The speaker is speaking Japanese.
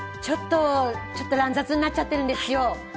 ちょっと乱雑になっちゃってるんですよ。